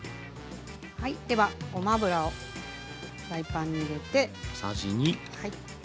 はいではごま油をフライパンに入れて。